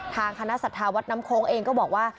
ทางคณะศรัทธาวัดน้ำโค้งเองก็บอกว่า